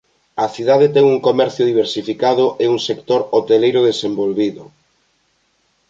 A cidade ten un comercio diversificado e un sector hoteleiro desenvolvido.